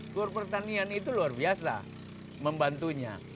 kur pertanian itu luar biasa membantunya